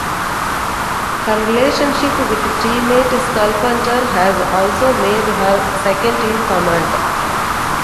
Her relationship with teammate Scalphunter has also made her second-in-command.